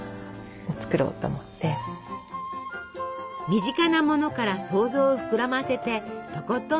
身近なものから想像を膨らませてとことん楽しむ。